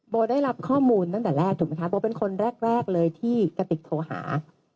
ได้รับข้อมูลตั้งแต่แรกถูกไหมคะโบเป็นคนแรกเลยที่กระติกโทรหา